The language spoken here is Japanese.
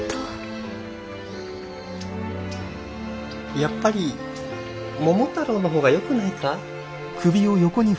やっぱり桃太郎の方がよくないか？